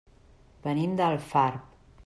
Venim d'Alfarb.